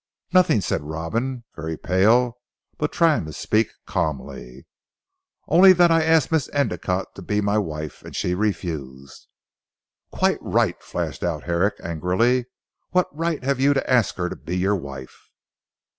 "Nothing," said Robin very pale but trying to speak calmly. "Only that I asked Miss Endicotte to be my wife, and she refused." "Quite right," flashed out Herrick angrily. "What right have you to ask her to be your wife?"